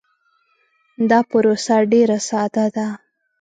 دا پروسه ډیر ساده ده.